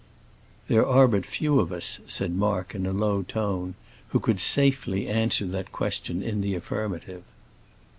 "There are but few of us," said Mark in a low tone, "who could safely answer that question in the affirmative."